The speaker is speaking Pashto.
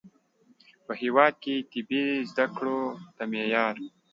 په هیواد کې د طبي زده کړو د معیار